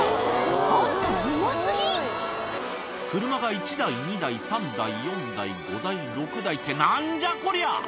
あんた、車が１台、２台、３台、４台、５台、６台って、なんじゃこりゃ！